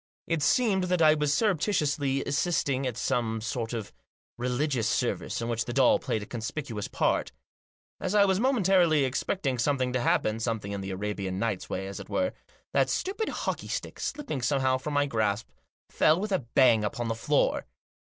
It seemed that I was surreptitiously assisting at some sort of religious service in which the doll played a conspicuous part As I was momentarily expecting something to happen, something in the Arabian Nights way, as it were, that stupid hockey stick, slipping somehow from my grasp, fell with a bang upon the floor.